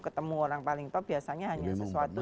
ketemu orang paling top biasanya hanya sesuatu